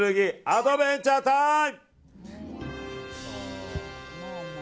アドベンチャータイム！